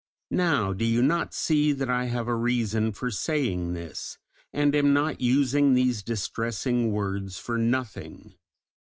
Now, do you not see that I have a reason for saying this, and am not using these distressing words for nothing?